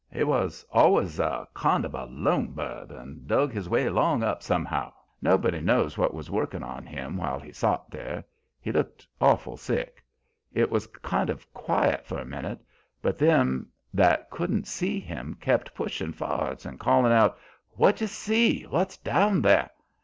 He was always a kind of a lone bird and dug his way along up somehow. Nobody knows what was workin' on him while he sot there; he looked awful sick. It was kind of quiet for a minute, but them that couldn't see him kep' pushin' for'ards and callin' out: 'What d'you see? What's down there?'